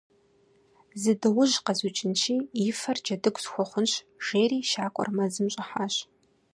«Зы дыгъужь къэзукӏынщи, и фэр джэдыгу схуэхъунщ!» - жери щакӏуэр мэзым щӏыхьащ.